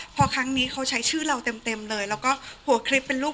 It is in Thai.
พอครั้งนี้เขาใช้ชื่อเราเต็มเต็มเลยแล้วก็หัวคลิปเป็นรูป